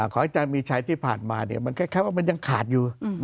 ขอยจะมีชัยที่ผ่านมามันแค่ว่ามันยังขาดอยู่